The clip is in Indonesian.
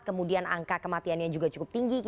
kemudian angka kematiannya juga cukup tinggi